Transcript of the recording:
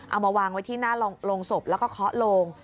เอามาวางไว้ที่หน้าโรงศพแล้วก็เคาะโลง